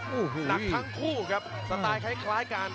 รักทั้งคู่ครับสไตล์คล้ายการ